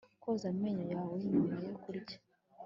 koza amenyo yawe nyuma yo kurya